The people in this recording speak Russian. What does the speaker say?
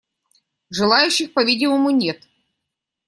Желающих, по-видимому, нет.